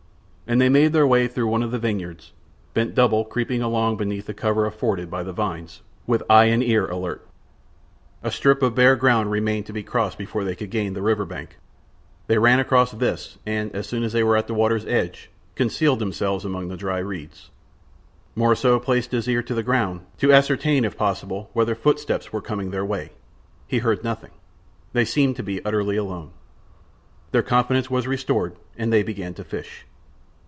And they made their way through one of the vineyards, bent double, creeping along beneath the cover afforded by the vines, with eye and ear alert. A strip of bare ground remained to be crossed before they could gain the river bank. They ran across this, and, as soon as they were at the water's edge, concealed themselves among the dry reeds. Morissot placed his ear to the ground, to ascertain, if possible, whether footsteps were coming their way. He heard nothing. They seemed to be utterly alone. Their confidence was restored, and they began to fish.